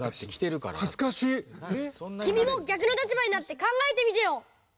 きみも逆の立場になってかんがえてみてよ！